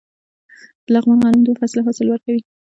د لغمان غنم دوه فصله حاصل ورکوي.